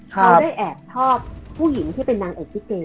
เขาได้แอบชอบผู้หญิงที่เป็นนางเอกลิเก